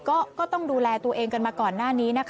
ก็ต้องดูแลตัวเองกันมาก่อนหน้านี้นะคะ